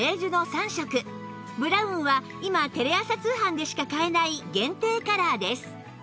ブラウンは今テレ朝通販でしか買えない限定カラーです